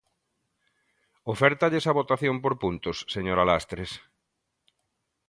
¿Ofértalles a votación por puntos, señora Lastres?